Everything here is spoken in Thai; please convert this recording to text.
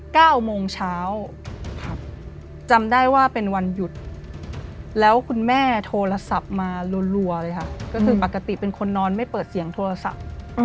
ก็คืออักษัตริย์เป็นคนนอนไม่เปิดเสียงโทรศัพท์